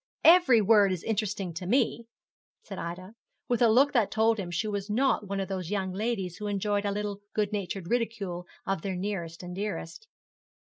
'Every word is interesting to me,' said Ida, with a look that told him she was not one of those young ladies who enjoy a little good natured ridicule of their nearest and dearest.